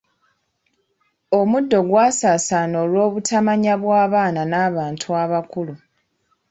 Omuddo gwasaasaana olw'obutamanya bw'abaana n'abantu abakulu.